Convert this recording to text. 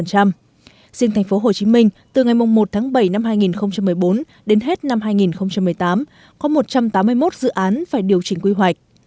riêng thành phố hồ chí minh từ ngày một tháng bảy năm hai nghìn một mươi bốn đến hết năm hai nghìn một mươi tám có một trăm tám mươi một dự án phải điều chỉnh quy hoạch